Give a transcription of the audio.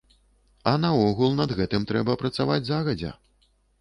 А наогул над гэтым трэба працаваць загадзя.